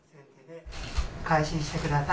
開始してください。